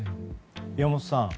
山本さん